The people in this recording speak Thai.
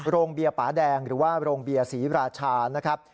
โรงเบียร์ป่าแดงหรือว่าโรงเบียร์ศรีราชานะครับ